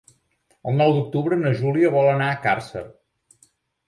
El nou d'octubre na Júlia vol anar a Càrcer.